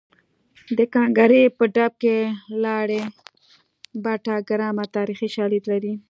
د ګانګړې په ډب کې لاړې بټه ګرامه تاریخي شالید لري